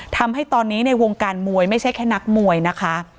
ทำให้ตอนนี้ในวงการมวยไม่ใช่แค่นักมวยนะคะ